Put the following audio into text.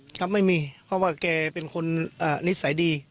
ครับไม่มีเพราะว่าแกเป็นคนนิสัยดี